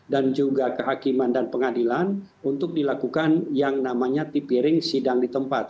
dan juga kehakiman dan pengadilan untuk dilakukan yang namanya tipiring sidang di tempat